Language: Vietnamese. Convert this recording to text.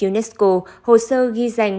unesco hồ sơ ghi danh